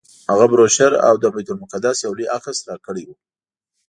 هغه بروشر او د بیت المقدس یو لوی عکس راکړی و.